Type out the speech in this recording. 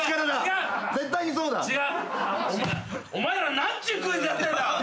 お前ら何ちゅうクイズやってんだ。